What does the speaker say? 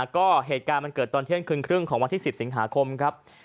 ก็เหตุการณ์มันเกิดตอนเที่ยงคืนครึ่งของวันที่๑๐สิงหาคมครับ